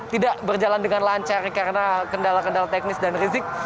tidak berjalan dengan lancar karena kendala kendala teknis dan rizik